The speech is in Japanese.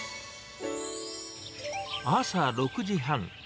朝６時半。